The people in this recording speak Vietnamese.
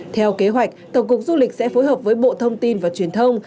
theo kế hoạch tổng cục du lịch sẽ phối hợp với bộ thông tin và truyền thông